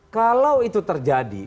kalau itu terjadi